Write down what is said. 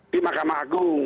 di mahkamah agung